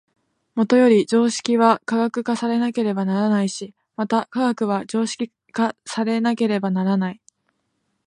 もとより常識は科学化されねばならないし、また科学は常識化されねばならない。